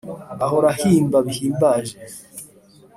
Ahora ahimba bihimbaje